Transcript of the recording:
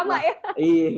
gak boleh sama ya